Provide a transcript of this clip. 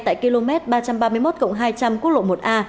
tại km ba trăm ba mươi một cộng hai trăm linh quốc lộ một a